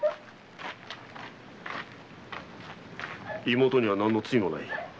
妹には何の罪もない。